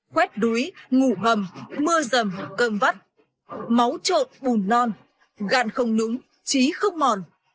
khuét đuối ngủ hầm mưa rầm cơm vắt máu trộn bùn non gạn không núng trí không mòn